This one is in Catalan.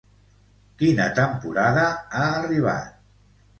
Quina temporada ha arribat?